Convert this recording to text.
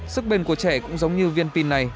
sức bền của trẻ cũng giống như viên pin này